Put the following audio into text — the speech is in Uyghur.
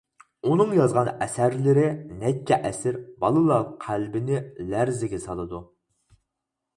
ئۇنىڭ يازغان ئەسەرلىرى نەچچە ئەسىر بالىلار قەلبىنى لەرزىگە سالىدۇ.